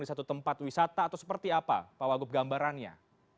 di satu tempat wisata atau seperti apa pak wagup gambarannya